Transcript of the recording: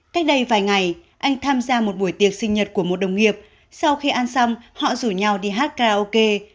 cách đây vài ngày anh tham gia một buổi tiệc sinh nhật của một đồng nghiệp sau khi ăn xong họ rủ nhau đi hát karaoke